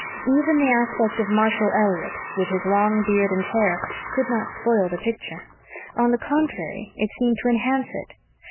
Even the aspect of Marshall Elliott, with his long beard and hair, could not spoil the picture. On the contrary, it seemed to enhance it.